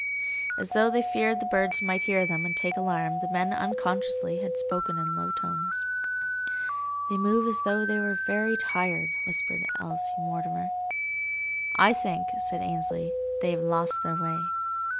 As though they feared the birds might hear them and take alarm, the men, unconsciously, had spoken in low tones. "They move as though they were very tired," whispered Elsie Mortimer. "I think," said Ainsley, "they have lost their way."